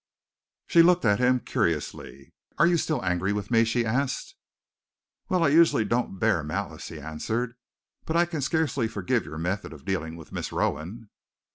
She looked at him curiously. "Are you still angry with me?" she asked. "Well, I don't usually bear malice," he answered, "but I can scarcely forgive your method of dealing with Miss Rowan!"